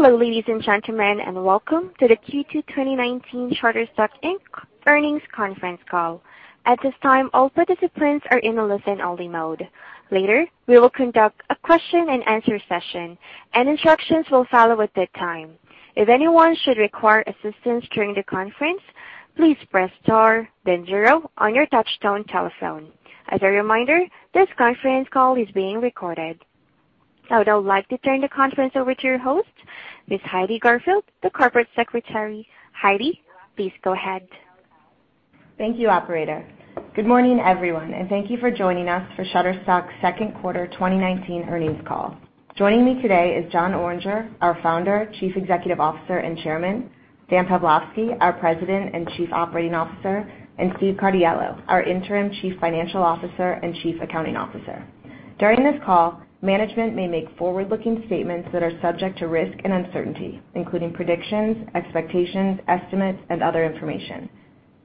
Hello, ladies and gentlemen. Welcome to the Q2 2019 Shutterstock, Inc. Earnings Conference Call. At this time, all participants are in a listen-only mode. Later, we will conduct a question and answer session. Instructions will follow at that time. If anyone should require assistance during the conference, please press star then zero on your touch-tone telephone. As a reminder, this conference call is being recorded. I would like to turn the conference over to your host, Ms. Heidi Garfield, the Corporate Secretary. Heidi, please go ahead. Thank you, operator. Good morning, everyone, and thank you for joining us for Shutterstock's second quarter 2019 earnings call. Joining me today is Jon Oringer, our Founder, Chief Executive Officer, and Chairman, Stan Pavlovsky, our President and Chief Operating Officer, and Steve Ciardiello, our Interim Chief Financial Officer and Chief Accounting Officer. During this call, management may make forward-looking statements that are subject to risk and uncertainty, including predictions, expectations, estimates, and other information.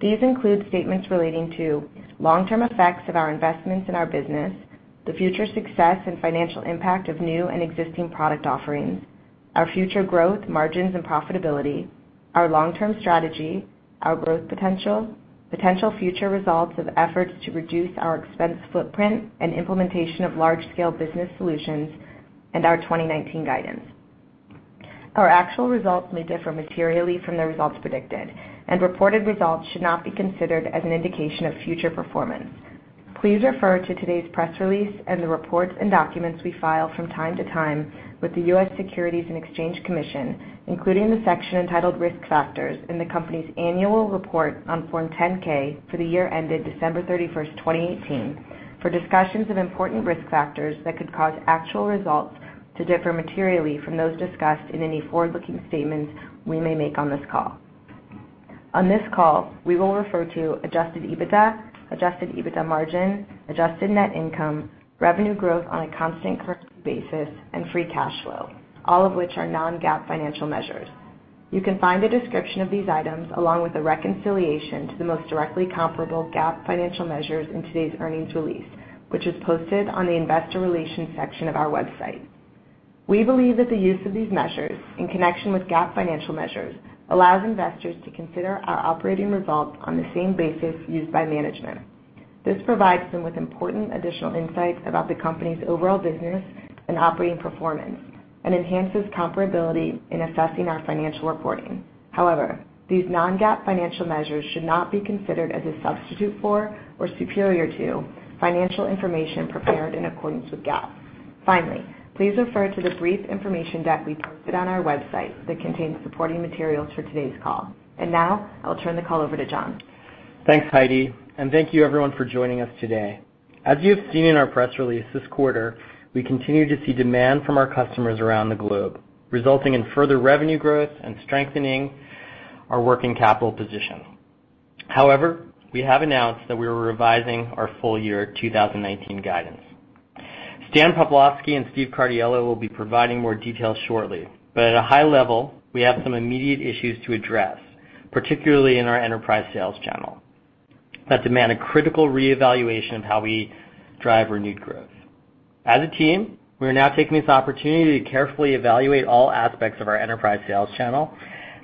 These include statements relating to long-term effects of our investments in our business, the future success and financial impact of new and existing product offerings, our future growth, margins, and profitability, our long-term strategy, our growth potential future results of efforts to reduce our expense footprint and implementation of large-scale business solutions, and our 2019 guidance. Our actual results may differ materially from the results predicted, and reported results should not be considered as an indication of future performance. Please refer to today's press release and the reports and documents we file from time to time with the U.S. Securities and Exchange Commission, including the section entitled Risk Factors in the company's annual report on Form 10-K for the year ended December 31st, 2018, for discussions of important risk factors that could cause actual results to differ materially from those discussed in any forward-looking statements we may make on this call. On this call, we will refer to adjusted EBITDA, adjusted EBITDA margin, adjusted net income, revenue growth on a constant currency basis, and free cash flow, all of which are non-GAAP financial measures. You can find a description of these items along with a reconciliation to the most directly comparable GAAP financial measures in today's earnings release, which is posted on the investor relations section of our website. We believe that the use of these measures, in connection with GAAP financial measures, allows investors to consider our operating results on the same basis used by management. This provides them with important additional insights about the company's overall business and operating performance and enhances comparability in assessing our financial reporting. However, these non-GAAP financial measures should not be considered as a substitute for or superior to financial information prepared in accordance with GAAP. Finally, please refer to the brief information deck we posted on our website that contains supporting materials for today's call. Now I'll turn the call over to Jon. Thanks, Heidi, and thank you everyone for joining us today. As you have seen in our press release this quarter, we continue to see demand from our customers around the globe, resulting in further revenue growth and strengthening our working capital position. However, we have announced that we are revising our full year 2019 guidance. Stan Pavlovsky and Steve Ciardiello will be providing more details shortly. At a high level, we have some immediate issues to address, particularly in our enterprise sales channel, that demand a critical reevaluation of how we drive renewed growth. As a team, we are now taking this opportunity to carefully evaluate all aspects of our enterprise sales channel,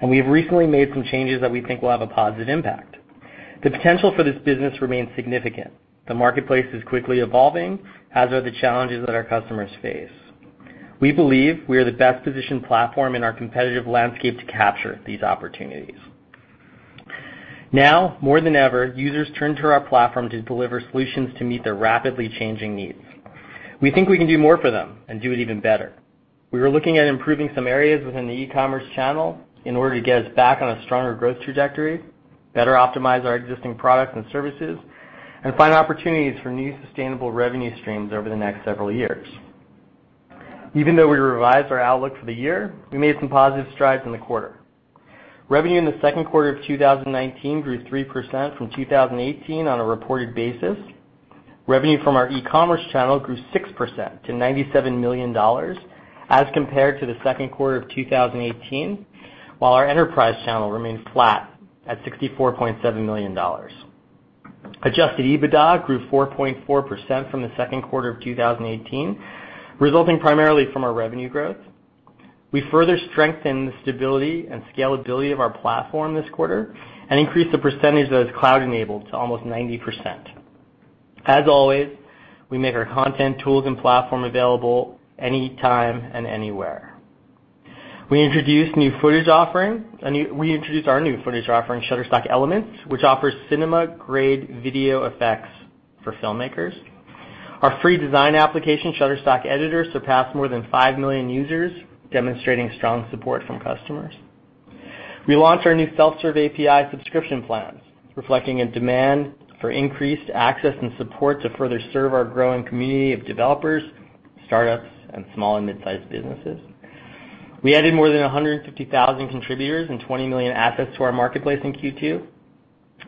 and we have recently made some changes that we think will have a positive impact. The potential for this business remains significant. The marketplace is quickly evolving, as are the challenges that our customers face. We believe we are the best-positioned platform in our competitive landscape to capture these opportunities. Now more than ever, users turn to our platform to deliver solutions to meet their rapidly changing needs. We think we can do more for them and do it even better. We are looking at improving some areas within the e-commerce channel in order to get us back on a stronger growth trajectory, better optimize our existing products and services, and find opportunities for new sustainable revenue streams over the next several years. Even though we revised our outlook for the year, we made some positive strides in the quarter. Revenue in the second quarter of 2019 grew 3% from 2018 on a reported basis. Revenue from our e-commerce channel grew 6% to $97 million as compared to the second quarter of 2018, while our enterprise channel remained flat at $64.7 million. Adjusted EBITDA grew 4.4% from the second quarter of 2018, resulting primarily from our revenue growth. We further strengthened the stability and scalability of our platform this quarter and increased the percentage that is cloud-enabled to almost 90%. As always, we make our content, tools, and platform available anytime and anywhere. We introduced our new footage offering, Shutterstock Elements, which offers cinema-grade video effects for filmmakers. Our free design application, Shutterstock Editor, surpassed more than 5 million users, demonstrating strong support from customers. We launched our new self-serve API subscription plans, reflecting a demand for increased access and support to further serve our growing community of developers, startups, and small and mid-sized businesses. We added more than 150,000 contributors and 20 million assets to our marketplace in Q2,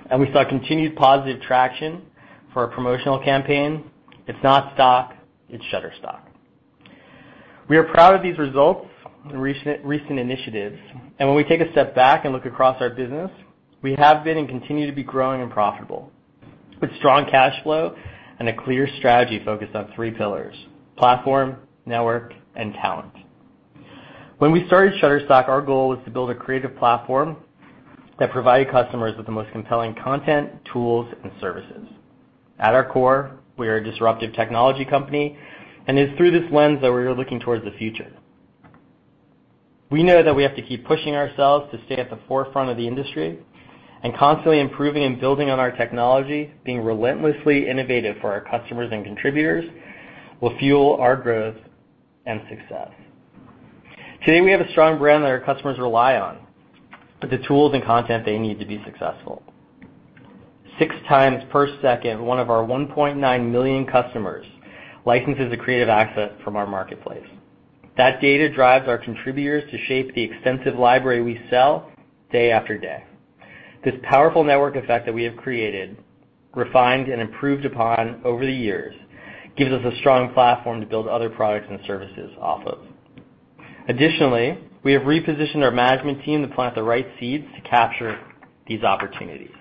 and we saw continued positive traction for our promotional campaign, It's Not Stock, It's Shutterstock. We are proud of these results and recent initiatives, and when we take a step back and look across our business, we have been and continue to be growing and profitable, with strong cash flow and a clear strategy focused on three pillars: platform, network, and talent. When we started Shutterstock, our goal was to build a creative platform that provided customers with the most compelling content, tools, and services. At our core, we are a disruptive technology company, and it is through this lens that we are looking towards the future. We know that we have to keep pushing ourselves to stay at the forefront of the industry, and constantly improving and building on our technology, being relentlessly innovative for our customers and contributors, will fuel our growth and success. Today, we have a strong brand that our customers rely on for the tools and content they need to be successful. Six times per second, one of our 1.9 million customers licenses a creative access from our marketplace. That data drives our contributors to shape the extensive library we sell day after day. This powerful network effect that we have created, refined, and improved upon over the years gives us a strong platform to build other products and services off of. Additionally, we have repositioned our management team to plant the right seeds to capture these opportunities.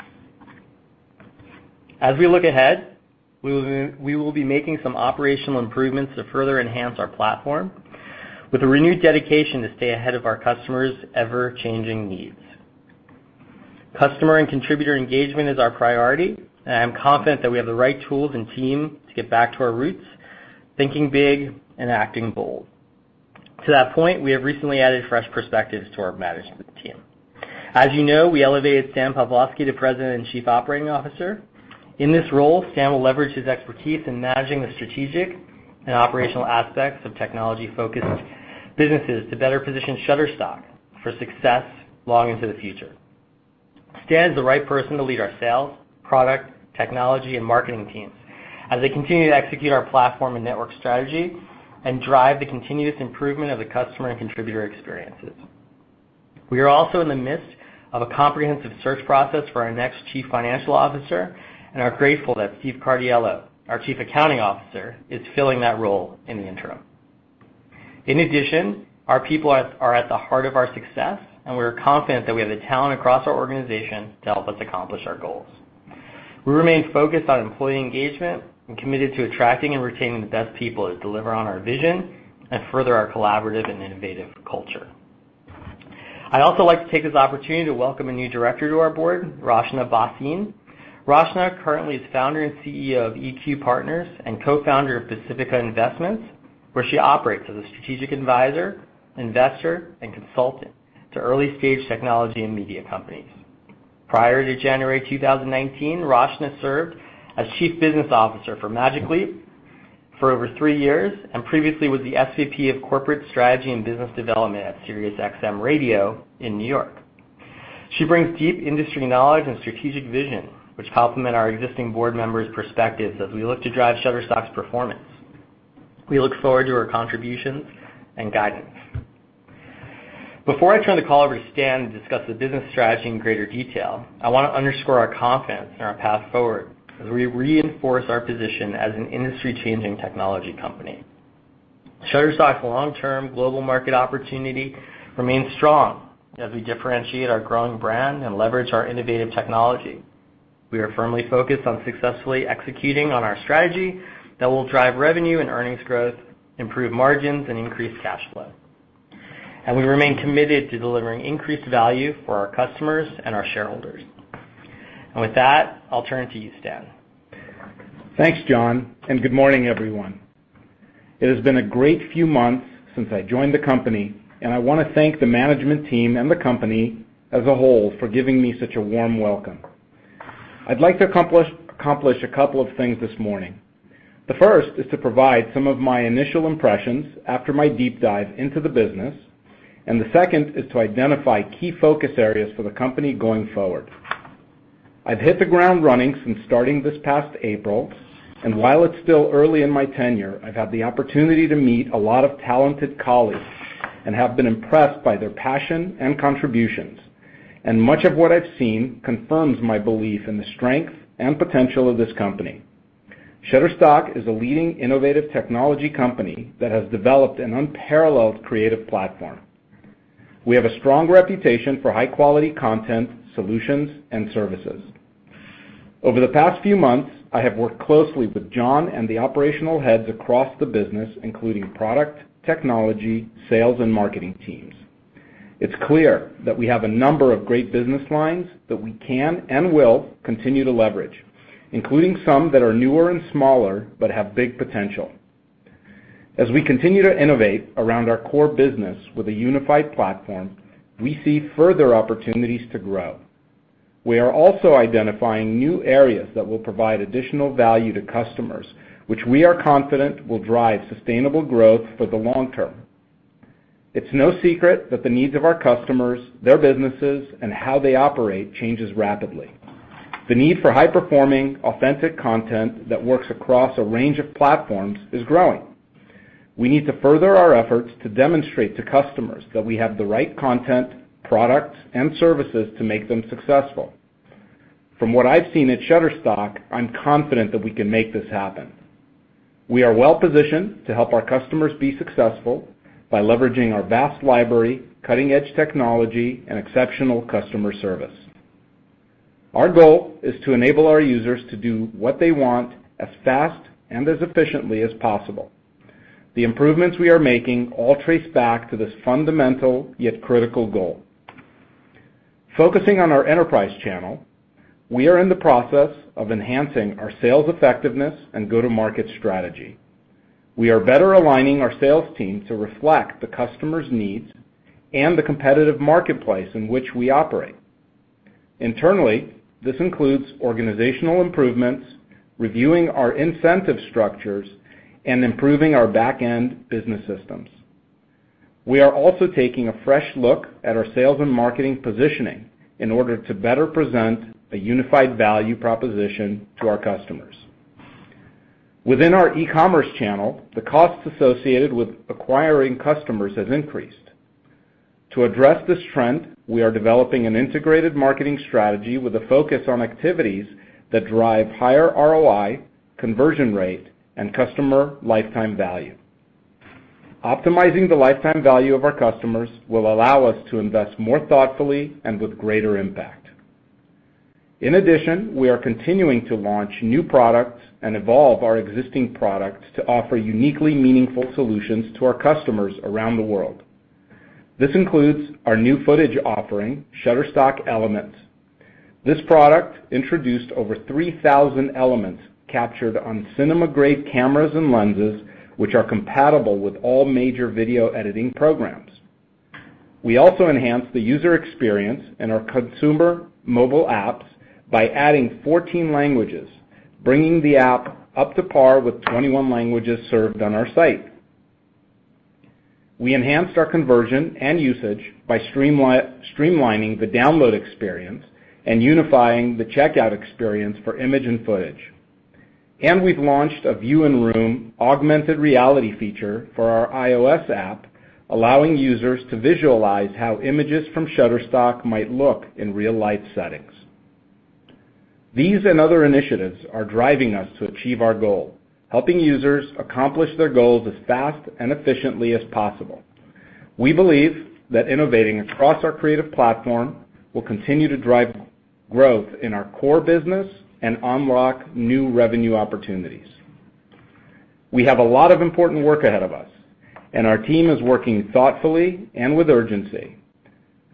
As we look ahead, we will be making some operational improvements to further enhance our platform, with a renewed dedication to stay ahead of our customers' ever-changing needs. Customer and contributor engagement is our priority, and I am confident that we have the right tools and team to get back to our roots, thinking big and acting bold. To that point, we have recently added fresh perspectives to our management team. As you know, we elevated Stan Pavlovsky to President and Chief Operating Officer. In this role, Stan will leverage his expertise in managing the strategic and operational aspects of technology-focused businesses to better position Shutterstock for success long into the future. Stan is the right person to lead our sales, product, technology, and marketing teams as they continue to execute our platform and network strategy and drive the continuous improvement of the customer and contributor experiences. We are also in the midst of a comprehensive search process for our next Chief Financial Officer and are grateful that Steve Ciardiello, our Chief Accounting Officer, is filling that role in the interim. Our people are at the heart of our success, and we are confident that we have the talent across our organization to help us accomplish our goals. We remain focused on employee engagement and committed to attracting and retaining the best people to deliver on our vision and further our collaborative and innovative culture. I'd also like to take this opportunity to welcome a new director to our board, Rachna Bakhru. Rachna currently is founder and CEO of EQ Partners and co-founder of Pacifica Investments, where she operates as a strategic advisor, investor, and consultant to early-stage technology and media companies. Prior to January 2019, Rachna served as Chief Business Officer for Magic Leap for over three years and previously was the SVP of Corporate Strategy and Business Development at Sirius XM Radio in New York. She brings deep industry knowledge and strategic vision, which complement our existing board members' perspectives as we look to drive Shutterstock's performance. We look forward to her contributions and guidance. Before I turn the call over to Stan to discuss the business strategy in greater detail, I want to underscore our confidence in our path forward as we reinforce our position as an industry-changing technology company. Shutterstock's long-term global market opportunity remains strong as we differentiate our growing brand and leverage our innovative technology. We are firmly focused on successfully executing on our strategy that will drive revenue and earnings growth, improve margins, and increase cash flow, and we remain committed to delivering increased value for our customers and our shareholders. With that, I'll turn it to you, Stan. Thanks, Jon, good morning, everyone. It has been a great few months since I joined the company, and I want to thank the management team and the company as a whole for giving me such a warm welcome. I'd like to accomplish a couple of things this morning. The first is to provide some of my initial impressions after my deep dive into the business, and the second is to identify key focus areas for the company going forward. I've hit the ground running since starting this past April, and while it's still early in my tenure, I've had the opportunity to meet a lot of talented colleagues and have been impressed by their passion and contributions. Much of what I've seen confirms my belief in the strength and potential of this company. Shutterstock is a leading innovative technology company that has developed an unparalleled creative platform. We have a strong reputation for high-quality content, solutions, and services. Over the past few months, I have worked closely with Jon and the operational heads across the business, including product, technology, sales, and marketing teams. It's clear that we have a number of great business lines that we can and will continue to leverage, including some that are newer and smaller but have big potential. As we continue to innovate around our core business with a unified platform, we see further opportunities to grow. We are also identifying new areas that will provide additional value to customers, which we are confident will drive sustainable growth for the long term. It's no secret that the needs of our customers, their businesses, and how they operate changes rapidly. The need for high-performing, authentic content that works across a range of platforms is growing. We need to further our efforts to demonstrate to customers that we have the right content, products, and services to make them successful. From what I've seen at Shutterstock, I'm confident that we can make this happen. We are well positioned to help our customers be successful by leveraging our vast library, cutting-edge technology, and exceptional customer service. Our goal is to enable our users to do what they want as fast and as efficiently as possible. The improvements we are making all trace back to this fundamental, yet critical goal. Focusing on our enterprise channel, we are in the process of enhancing our sales effectiveness and go-to-market strategy. We are better aligning our sales team to reflect the customer's needs and the competitive marketplace in which we operate. Internally, this includes organizational improvements, reviewing our incentive structures, and improving our back-end business systems. We are also taking a fresh look at our sales and marketing positioning in order to better present a unified value proposition to our customers. Within our e-commerce channel, the costs associated with acquiring customers has increased. To address this trend, we are developing an integrated marketing strategy with a focus on activities that drive higher ROI, conversion rate, and customer lifetime value. Optimizing the lifetime value of our customers will allow us to invest more thoughtfully and with greater impact. In addition, we are continuing to launch new products and evolve our existing products to offer uniquely meaningful solutions to our customers around the world. This includes our new footage offering, Shutterstock Elements. This product introduced over 3,000 elements captured on cinema-grade cameras and lenses, which are compatible with all major video editing programs. We also enhanced the user experience in our consumer mobile apps by adding 14 languages, bringing the app up to par with 21 languages served on our site. We enhanced our conversion and usage by streamlining the download experience and unifying the checkout experience for image and footage. We've launched a view in room augmented reality feature for our iOS app, allowing users to visualize how images from Shutterstock might look in real-life settings. These and other initiatives are driving us to achieve our goal, helping users accomplish their goals as fast and efficiently as possible. We believe that innovating across our creative platform will continue to drive growth in our core business and unlock new revenue opportunities. We have a lot of important work ahead of us, and our team is working thoughtfully and with urgency.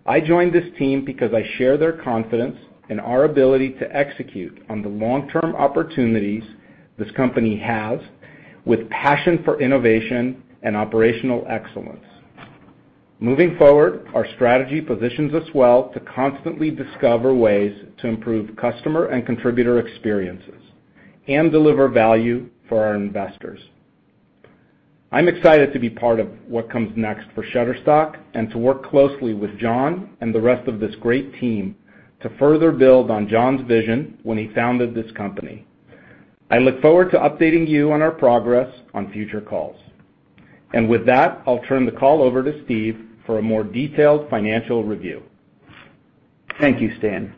I joined this team because I share their confidence in our ability to execute on the long-term opportunities this company has, with passion for innovation and operational excellence. Moving forward, our strategy positions us well to constantly discover ways to improve customer and contributor experiences and deliver value for our investors. I'm excited to be part of what comes next for Shutterstock and to work closely with Jon and the rest of this great team to further build on Jon's vision when he founded this company. I look forward to updating you on our progress on future calls. With that, I'll turn the call over to Steve for a more detailed financial review. Thank you, Stan.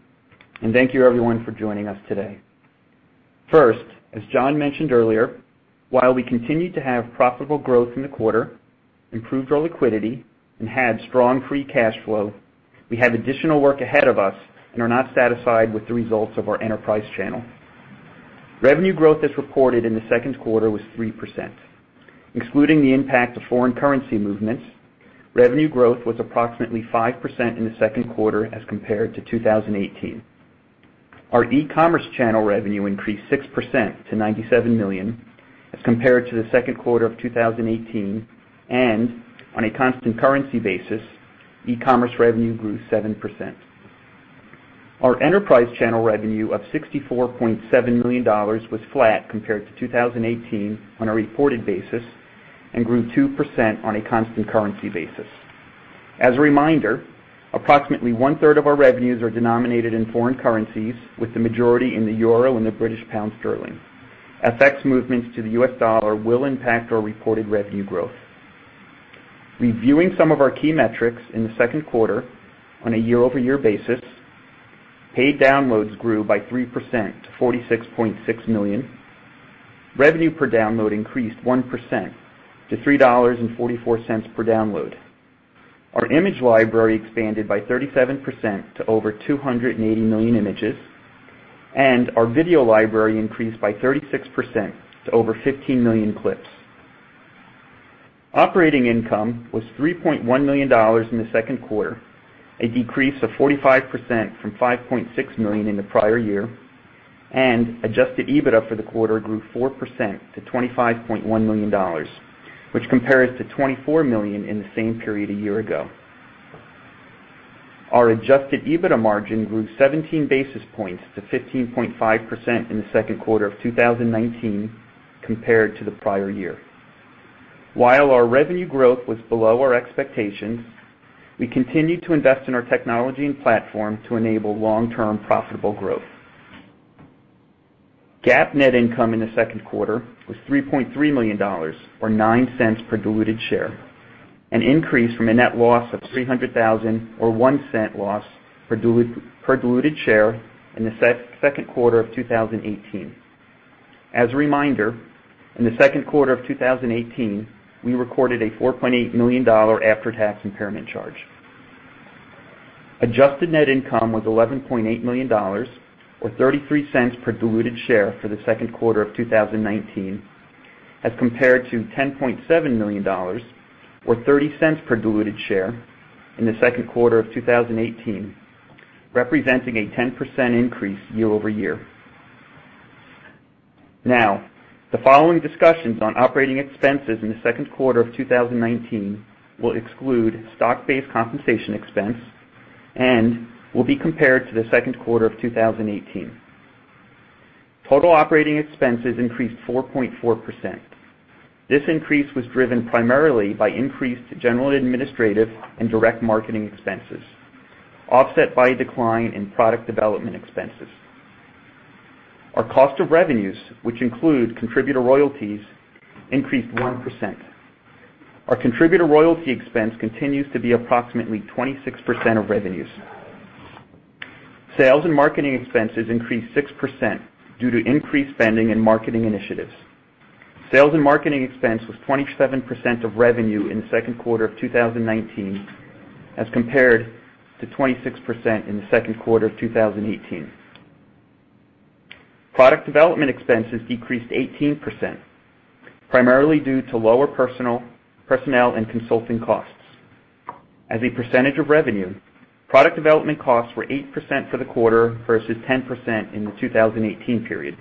Thank you everyone for joining us today. First, as Jon mentioned earlier, while we continue to have profitable growth in the quarter, improved our liquidity, and had strong free cash flow, we have additional work ahead of us and are not satisfied with the results of our enterprise channel. Revenue growth as reported in the second quarter was 3%. Excluding the impact of foreign currency movements, revenue growth was approximately 5% in the second quarter as compared to 2018. Our e-commerce channel revenue increased 6% to $97 million as compared to the second quarter of 2018. On a constant currency basis, e-commerce revenue grew 7%. Our enterprise channel revenue of $64.7 million was flat compared to 2018 on a reported basis and grew 2% on a constant currency basis. As a reminder, approximately one-third of our revenues are denominated in foreign currencies, with the majority in the euro and the British pound sterling. FX movements to the U.S. dollar will impact our reported revenue growth. Reviewing some of our key metrics in the second quarter on a year-over-year basis, paid downloads grew by 3% to 46.6 million. Revenue per download increased 1% to $3.44 per download. Our image library expanded by 37% to over 280 million images, and our video library increased by 36% to over 15 million clips. Operating income was $3.1 million in the second quarter, a decrease of 45% from $5.6 million in the prior year, and adjusted EBITDA for the quarter grew 4% to $25.1 million, which compares to $24 million in the same period a year ago. Our adjusted EBITDA margin grew 17 basis points to 15.5% in the second quarter of 2019 compared to the prior year. While our revenue growth was below our expectations, we continued to invest in our technology and platform to enable long-term profitable growth. GAAP net income in the second quarter was $3.3 million, or $0.09 per diluted share, an increase from a net loss of $300,000 or $0.01 loss per diluted share in the second quarter of 2018. As a reminder, in the second quarter of 2018, we recorded a $4.8 million after-tax impairment charge. Adjusted net income was $11.8 million, or $0.33 per diluted share for the second quarter of 2019, as compared to $10.7 million, or $0.30 per diluted share in the second quarter of 2018, representing a 10% increase year-over-year. Now, the following discussions on operating expenses in the second quarter of 2019 will exclude stock-based compensation expense and will be compared to the second quarter of 2018. Total operating expenses increased 4.4%. This increase was driven primarily by increased general administrative and direct marketing expenses, offset by a decline in product development expenses. Our cost of revenues, which include contributor royalties, increased 1%. Our contributor royalty expense continues to be approximately 26% of revenues. Sales and marketing expenses increased 6% due to increased spending in marketing initiatives. Sales and marketing expense was 27% of revenue in the second quarter of 2019, as compared to 26% in the second quarter of 2018. Product development expenses decreased 18%, primarily due to lower personnel and consulting costs. As a percentage of revenue, product development costs were 8% for the quarter versus 10% in the 2018 period.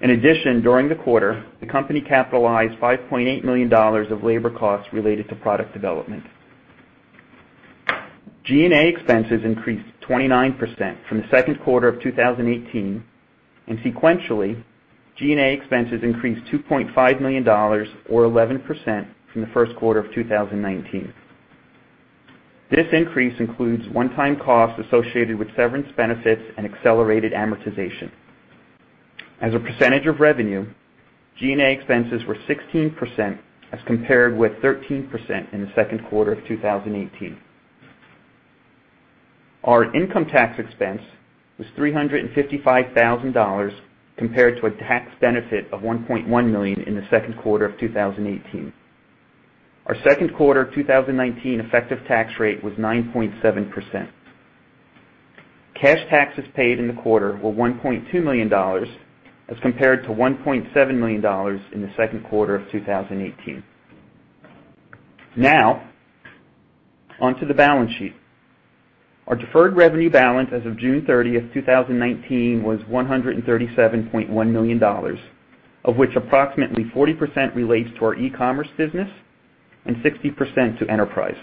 In addition, during the quarter, the company capitalized $5.8 million of labor costs related to product development. G&A expenses increased 29% from the second quarter of 2018. Sequentially, G&A expenses increased $2.5 million or 11% from the first quarter of 2019. This increase includes one-time costs associated with severance benefits and accelerated amortization. As a percentage of revenue, G&A expenses were 16%, as compared with 13% in the second quarter of 2018. Our income tax expense was $355,000 compared to a tax benefit of $1.1 million in the second quarter of 2018. Our second quarter 2019 effective tax rate was 9.7%. Cash taxes paid in the quarter were $1.2 million as compared to $1.7 million in the second quarter of 2018. Now, on to the balance sheet. Our deferred revenue balance as of June 30th, 2019 was $137.1 million, of which approximately 40% relates to our e-commerce business and 60% to enterprise.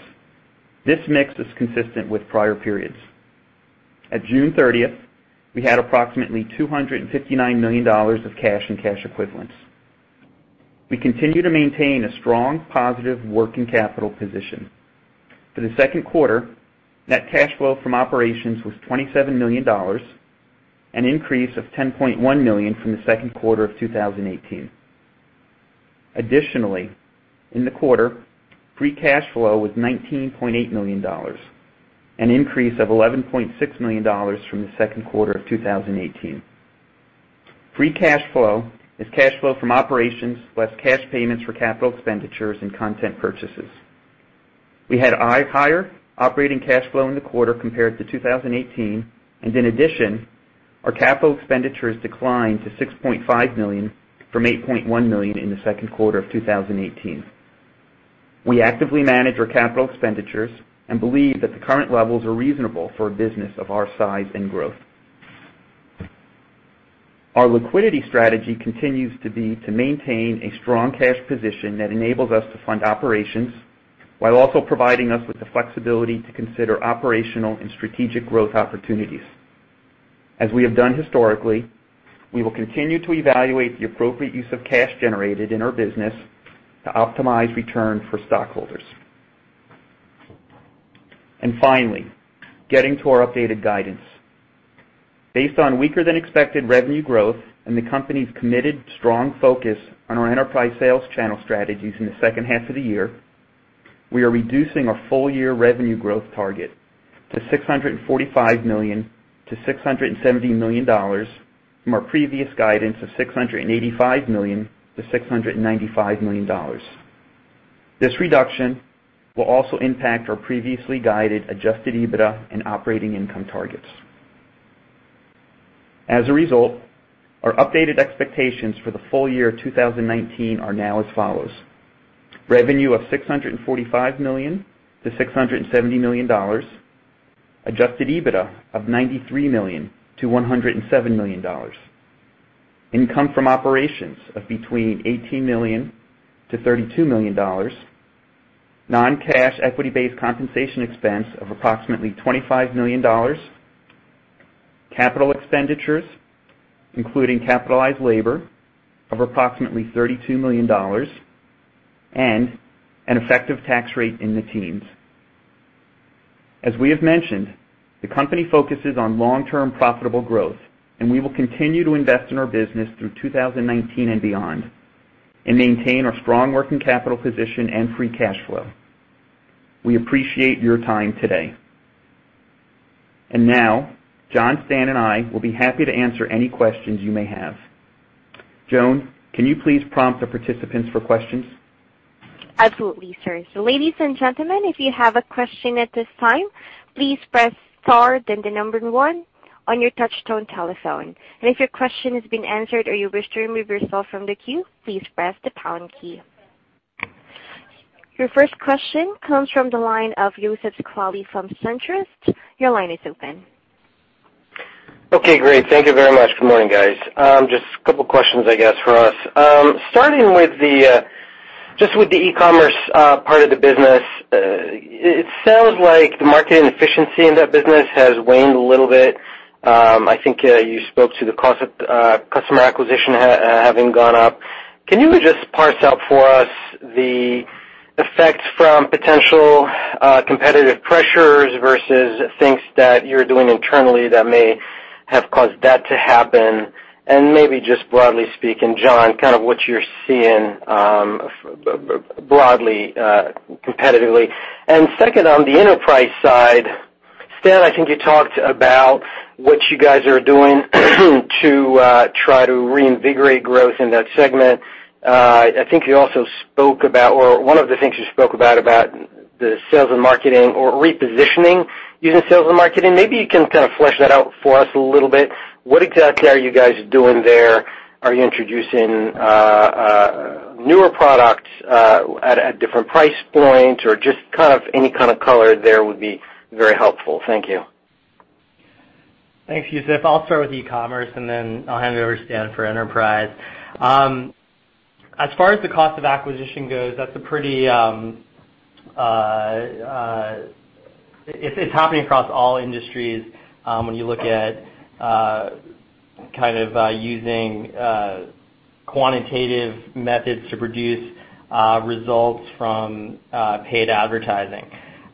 This mix is consistent with prior periods. At June 30th, we had approximately $259 million of cash and cash equivalents. We continue to maintain a strong positive working capital position. For the second quarter, net cash flow from operations was $27 million, an increase of $10.1 million from the second quarter of 2018. Additionally, in the quarter, free cash flow was $19.8 million, an increase of $11.6 million from the second quarter of 2018. Free cash flow is cash flow from operations plus cash payments for capital expenditures and content purchases. We had higher operating cash flow in the quarter compared to 2018, and in addition, our capital expenditures declined to $6.5 million from $8.1 million in the second quarter of 2018. We actively manage our capital expenditures and believe that the current levels are reasonable for a business of our size and growth. Our liquidity strategy continues to be to maintain a strong cash position that enables us to fund operations while also providing us with the flexibility to consider operational and strategic growth opportunities. As we have done historically, we will continue to evaluate the appropriate use of cash generated in our business to optimize return for stockholders. Finally, getting to our updated guidance. Based on weaker than expected revenue growth and the company's committed strong focus on our enterprise sales channel strategies in the second half of the year, we are reducing our full year revenue growth target to $645 million-$670 million from our previous guidance of $685 million-$695 million. This reduction will also impact our previously guided adjusted EBITDA and operating income targets. As a result, our updated expectations for the full year 2019 are now as follows: revenue of $645 million-$670 million, adjusted EBITDA of $93 million-$107 million, income from operations of between $18 million-$32 million, non-cash equity-based compensation expense of approximately $25 million, capital expenditures, including capitalized labor of approximately $32 million, and an effective tax rate in the teens. As we have mentioned, the company focuses on long-term profitable growth, and we will continue to invest in our business through 2019 and beyond and maintain our strong working capital position and free cash flow. We appreciate your time today. Now Jon, Stan, and I will be happy to answer any questions you may have. Joan, can you please prompt the participants for questions? Absolutely, sir. Ladies and gentlemen, if you have a question at this time, please press star then the number one on your touchtone telephone. If your question has been answered or you wish to remove yourself from the queue, please press the pound key. Your first question comes from the line of Youssef Squali from Truist Securities. Your line is open. Okay, great. Thank you very much. Good morning, guys. Just a couple questions, I guess, for us. Starting just with the e-commerce part of the business, it sounds like the market inefficiency in that business has waned a little bit. I think you spoke to the customer acquisition having gone up. Can you just parse out for us the effects from potential competitive pressures versus things that you're doing internally that may have caused that to happen? Maybe just broadly speaking, Jon, kind of what you're seeing broadly, competitively. Second, on the enterprise side, Stan, I think you talked about what you guys are doing to try to reinvigorate growth in that segment. I think you also spoke about, or one of the things you spoke about, the sales and marketing or repositioning using sales and marketing. Maybe you can kind of flesh that out for us a little bit. What exactly are you guys doing there? Are you introducing newer products at different price points, or just any kind of color there would be very helpful. Thank you. Thanks, Youssef. I'll start with e-commerce, and then I'll hand you over to Stan for enterprise. As far as the cost of acquisition goes, it's happening across all industries when you look at kind of using quantitative methods to produce results from paid advertising.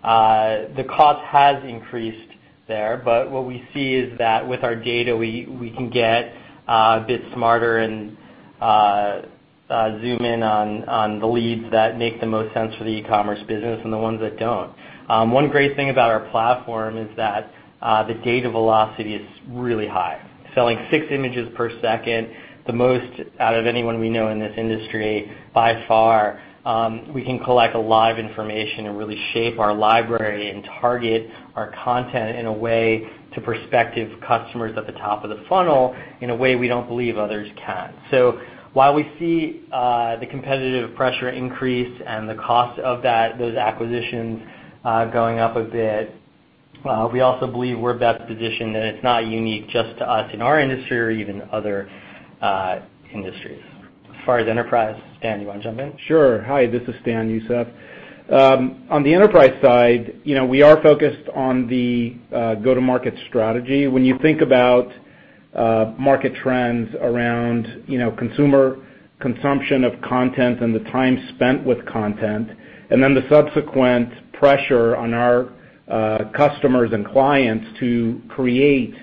The cost has increased there, but what we see is that with our data, we can get a bit smarter and zoom in on the leads that make the most sense for the e-commerce business and the ones that don't. One great thing about our platform is that the data velocity is really high. Selling six images per second, the most out of anyone we know in this industry by far, we can collect live information and really shape our library and target our content in a way to prospective customers at the top of the funnel in a way we don't believe others can. While we see the competitive pressure increase and the cost of those acquisitions going up a bit, we also believe we're best positioned, and it's not unique just to us in our industry or even other industries. As far as enterprise, Stan, do you want to jump in? Sure. Hi, this is Stan, Youssef. On the enterprise side, we are focused on the go-to-market strategy. When you think about market trends around consumer consumption of content and the time spent with content, and then the subsequent pressure on our customers and clients to create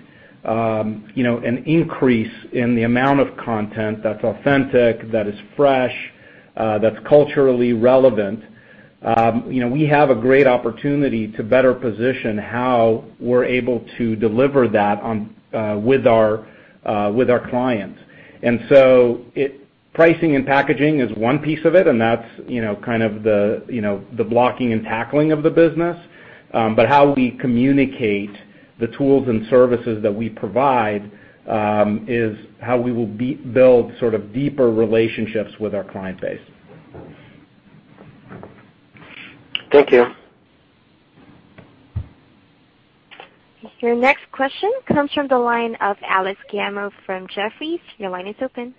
an increase in the amount of content that's authentic, that is fresh, that's culturally relevant, we have a great opportunity to better position how we're able to deliver that with our clients. Pricing and packaging is one piece of it, and that's kind of the blocking and tackling of the business. How we communicate the tools and services that we provide is how we will build sort of deeper relationships with our client base. Thank you. Your next question comes from the line of Alex Giaimo from Jefferies. Your line is open.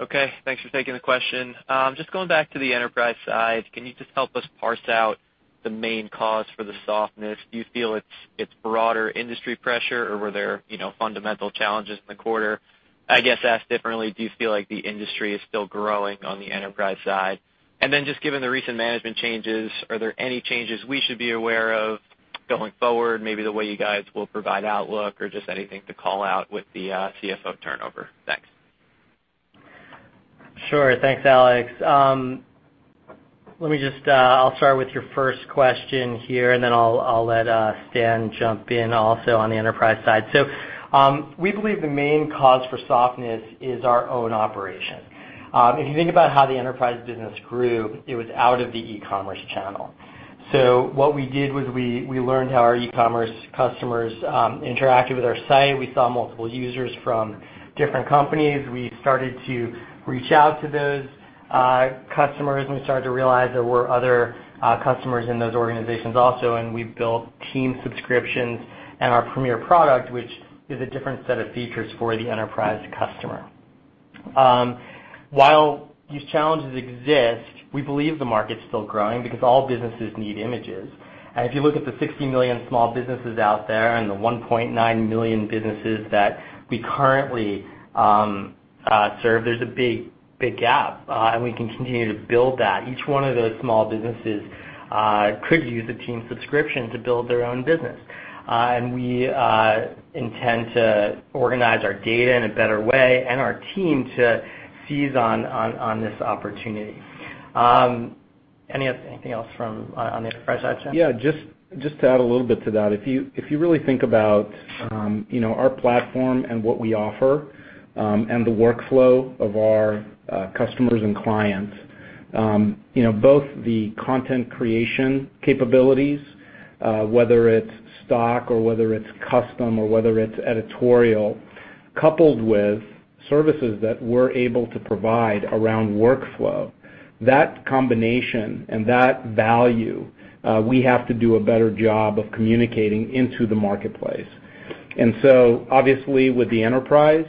Okay, thanks for taking the question. Going back to the enterprise side, can you just help us parse out the main cause for the softness? Do you feel it's broader industry pressure, or were there fundamental challenges in the quarter? I guess asked differently, do you feel like the industry is still growing on the enterprise side? Just given the recent management changes, are there any changes we should be aware of going forward, maybe the way you guys will provide outlook or just anything to call out with the CFO turnover? Thanks. Sure. Thanks, Alex. I'll start with your first question here, then I'll let Stan jump in also on the enterprise side. We believe the main cause for softness is our own operation. If you think about how the enterprise business grew, it was out of the e-commerce channel. What we did was we learned how our e-commerce customers interacted with our site. We saw multiple users from different companies. We started to reach out to those customers, and we started to realize there were other customers in those organizations also, and we built team subscriptions and our premier product, which is a different set of features for the enterprise customer. While these challenges exist, we believe the market's still growing because all businesses need images. If you look at the 60 million small businesses out there and the 1.9 million businesses that we currently. Serve, there's a big gap, and we can continue to build that. Each one of those small businesses could use a team subscription to build their own business. We intend to organize our data in a better way and our team to seize on this opportunity. Anything else on the enterprise side, Stan? Yeah, just to add a little bit to that. If you really think about our platform and what we offer and the workflow of our customers and clients, both the content creation capabilities, whether it's stock or whether it's custom or whether it's Editorial, coupled with services that we're able to provide around workflow, that combination and that value, we have to do a better job of communicating into the marketplace. Obviously with the enterprise,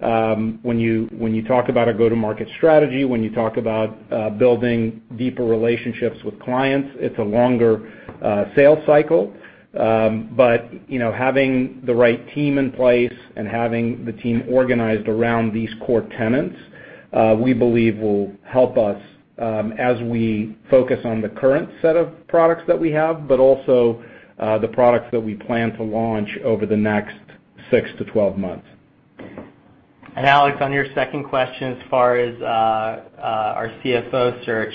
when you talk about a go-to-market strategy, when you talk about building deeper relationships with clients, it's a longer sales cycle. Having the right team in place and having the team organized around these core tenants, we believe will help us as we focus on the current set of products that we have, also the products that we plan to launch over the next six to 12 months. Alex, on your second question as far as our CFO search.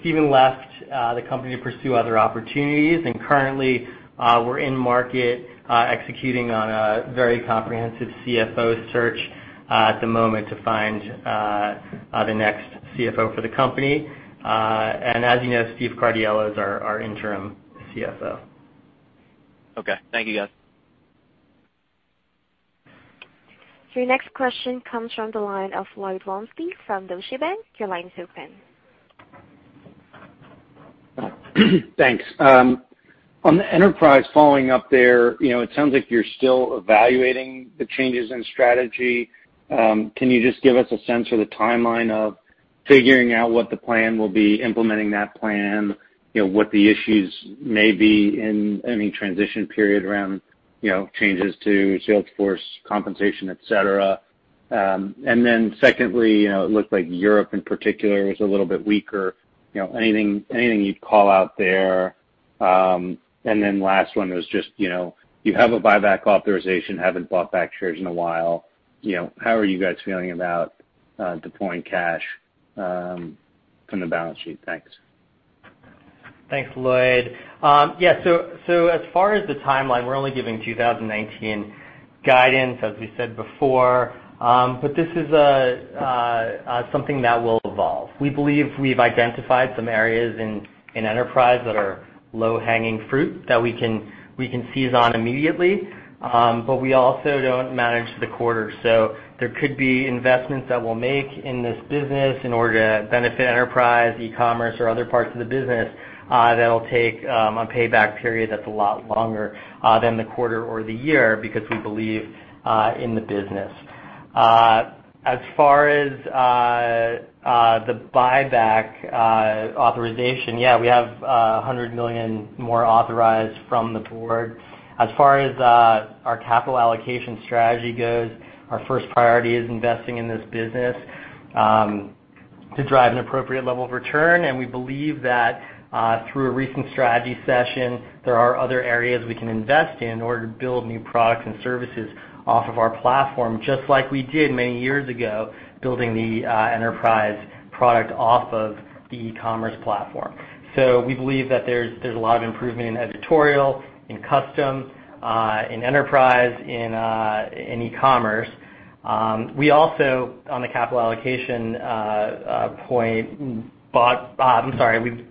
Steven left the company to pursue other opportunities, and currently we're in market executing on a very comprehensive CFO search at the moment to find the next CFO for the company. As you know, Steve Ciardiello is our Interim CFO. Okay. Thank you, guys. Your next question comes from the line of Lloyd Walmsley from Deutsche Bank. Your line is open. Thanks. On the enterprise following up there, it sounds like you're still evaluating the changes in strategy. Can you just give us a sense or the timeline of figuring out what the plan will be implementing that plan? What the issues may be in any transition period around changes to sales force compensation, et cetera. Secondly, it looked like Europe in particular was a little bit weaker. Anything you'd call out there? Last one was just, you have a buyback authorization, haven't bought back shares in a while. How are you guys feeling about deploying cash from the balance sheet? Thanks. Thanks, Lloyd. Yeah, as far as the timeline, we're only giving 2019 guidance as we said before. This is something that will evolve. We believe we've identified some areas in enterprise that are low-hanging fruit that we can seize on immediately. We also don't manage the quarter, there could be investments that we'll make in this business in order to benefit enterprise, e-commerce, or other parts of the business, that'll take a payback period that's a lot longer than the quarter or the year because we believe in the business. As far as the buyback authorization, yeah, we have $100 million more authorized from the board. As far as our capital allocation strategy goes, our first priority is investing in this business to drive an appropriate level of return. We believe that through a recent strategy session, there are other areas we can invest in order to build new products and services off of our platform, just like we did many years ago, building the enterprise product off of the e-commerce platform. We believe that there's a lot of improvement in Editorial, in custom, in enterprise, in e-commerce. We also, on the capital allocation point, we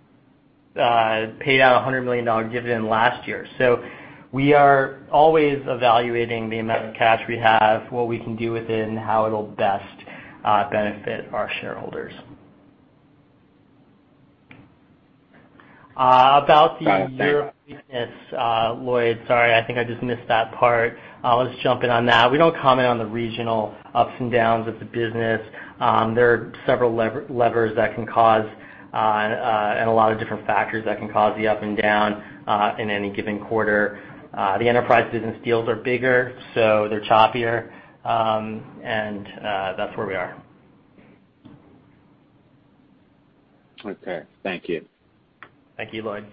paid out $100 million dividend last year. We are always evaluating the amount of cash we have, what we can do with it, and how it'll best benefit our shareholders. About the Europe business, Lloyd, sorry, I think I just missed that part. I'll just jump in on that. We don't comment on the regional ups and downs of the business. There are several levers that can cause and a lot of different factors that can cause the up and down in any given quarter. The enterprise business deals are bigger, so they're choppier. That's where we are. Okay. Thank you. Thank you, Lloyd.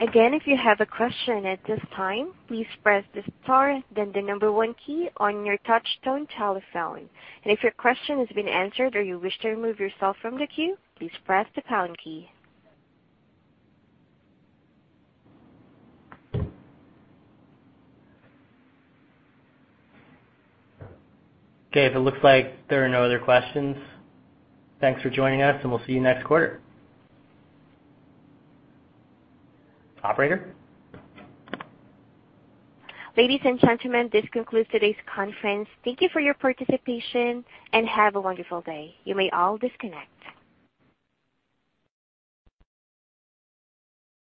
Again, if you have a question at this time, please press the star then the number one key on your touch-tone telephone. If your question has been answered or you wish to remove yourself from the queue, please press the pound key. Okay. It looks like there are no other questions. Thanks for joining us, and we'll see you next quarter. Operator? Ladies and gentlemen, this concludes today's conference. Thank you for your participation, and have a wonderful day. You may all disconnect.